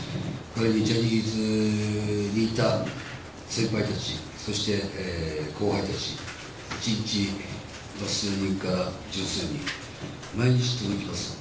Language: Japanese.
ジャニーズにいた先輩たち、そして後輩たち、１日数人から十数人、毎日届きます。